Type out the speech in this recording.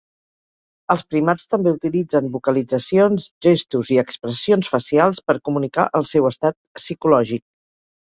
Els primats també utilitzen vocalitzacions, gestos i expressions facials per comunicar el seu estat psicològic.